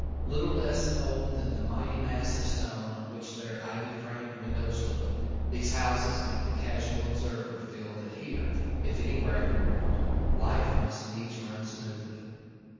Little less old than the mighty mass of stone on which their ivy framed windows look, these houses make the casual observer feel that here, if anywhere in the world, life must needs run smoothly.